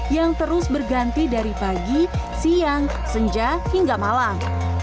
yang terus berganti dari pagi siang senja hingga malam